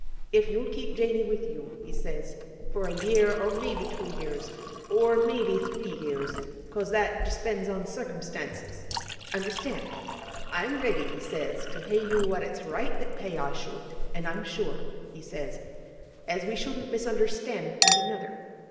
—"if you'll keep Janey with you," he says, "for a year, or maybe two years, or maybe three years—'cause that depends on cirkinstances"—understand?—"I'm ready," he says, "to pay you what it's right that pay I should, an' I'm sure," he says, "as we shouldn't misunderstand one another."